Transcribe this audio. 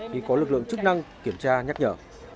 thì có lực lượng chức năng kiểm tra nhắc nhở